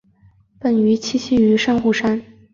本鱼栖息于珊瑚礁。